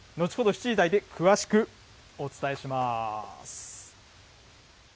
７時台で詳しくお伝えします。